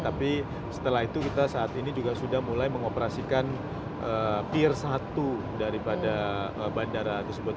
tapi setelah itu kita saat ini juga sudah mulai mengoperasikan peer satu daripada bandara tersebut